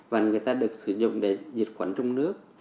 và người ta được sử dụng để diệt quẩn trong nước